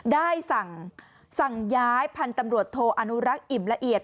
ได้สั่งย้ายพันธุ์ตำรวจโทอนุรักษ์อิ่มละเอียด